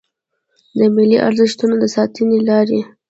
د ملي ارزښتونو د ساتنې لارې